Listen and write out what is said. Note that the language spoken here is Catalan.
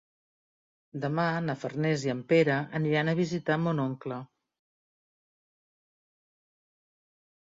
Demà na Farners i en Pere aniran a visitar mon oncle.